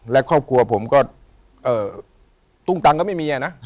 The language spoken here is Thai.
และครอบครัวผมก็ตุ้งตังก็ไม่มีนะ